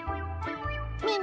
みんな